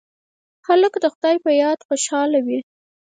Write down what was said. هلک د خدای په یاد خوشحاله وي.